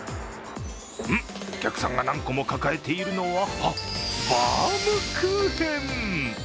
お客さんが何個も抱えているのはバウムクーヘン。